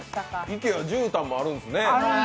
ＩＫＥＡ、じゅうたんもあるんですね。